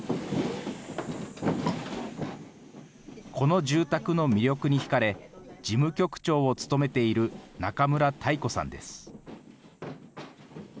この住宅の魅力に引かれ、事務局長を務めている中村泰子さんです。